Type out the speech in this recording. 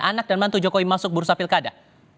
anak dan mantu jokowi masuk bursa pilkada